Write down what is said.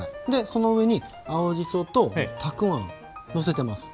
その上に青じそとたくあんのせてます。